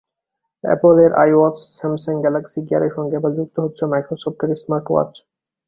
অ্যাপলের iWatch, Samsung Galaxy গিয়ারের সঙ্গে এবার যুক্ত হচ্ছে মাইক্রোসফটের স্মার্টওয়াচ।